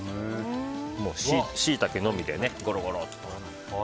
シイタケのみでゴロゴロッと。